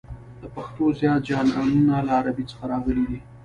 د پښتو زیات ژانرونه له عربي څخه راغلي دي.